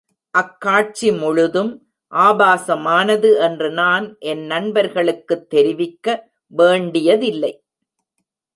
அக்காட்சி முழுதும் ஆபாசமானது என்று நான் என் நண்பர்களுக்குத் தெரிவிக்க வேண்டியதில்லை.